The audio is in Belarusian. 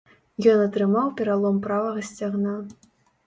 Ён атрымаў пералом правага сцягна.